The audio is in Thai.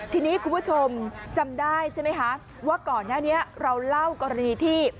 ทีนี้คุณผู้ชมจำได้ใช่ไหมคะว่าก่อนหน้านี้เราเล่ากรณีที่